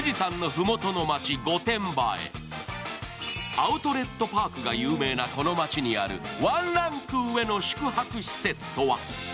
アウトレットパークが有名なこの街にあるワンランク上の宿泊施設とは？